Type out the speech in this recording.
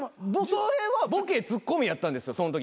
それはボケツッコミやったんでそんとき。